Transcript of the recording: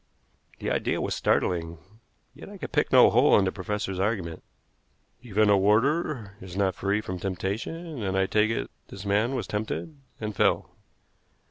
The idea was startling, yet I could pick no hole in the professor's argument. "Even a warder is not free from temptation, and I take it this man was tempted, and fell.